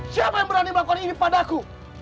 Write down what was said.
siapa yang berani melakukan ini padaku